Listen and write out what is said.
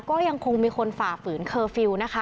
ก็ยังคงมีคนฝ่าฝืนเคอร์ฟิลล์นะคะ